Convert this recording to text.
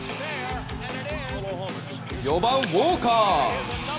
４番、ウォーカー。